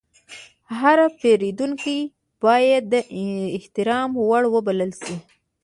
هر پیرودونکی باید د احترام وړ وبلل شي.